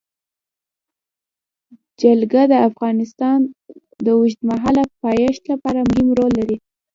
جلګه د افغانستان د اوږدمهاله پایښت لپاره مهم رول لري.